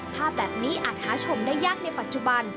ภาพแบบนี้อาจหาชมได้ยากในปัจจุบัน